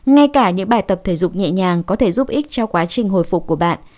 ngay cả những bài tập thể dục nhẹ nhàng có thể giúp ích cho quá trình hồi phục của bạn